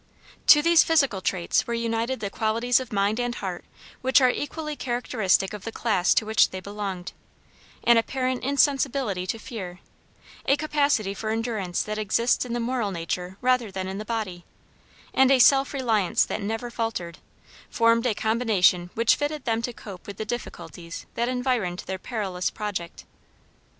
To these physical traits were united the qualities of mind and heart which are equally characteristic of the class to which they belonged; an apparent insensibility to fear, a capacity for endurance that exists in the moral nature rather than in the body, and a self reliance that never faltered, formed a combination which fitted them to cope with the difficulties that environed their perilous project.